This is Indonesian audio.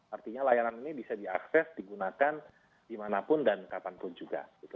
artinya layanan ini bisa diakses digunakan dimanapun dan kapanpun juga